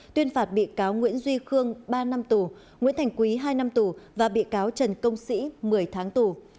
tuyên phạt bị cáo nguyễn duy khương ba năm tù nguyễn thành quý hai năm tù và bị cáo trần công sĩ một mươi tháng tù